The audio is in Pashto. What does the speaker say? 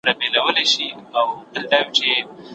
د تغذیې متخصصین څه کوي؟